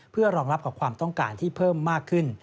เพื่อรองรับกับความต้องการที่เพิ่มมากขึ้น